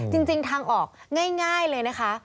จริงทางออกง่ายเลยนะคะ